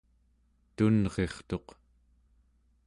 tunrirtuq